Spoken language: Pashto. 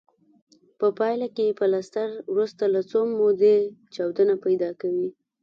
په پایله کې پلستر وروسته له څه مودې چاود نه پیدا کوي.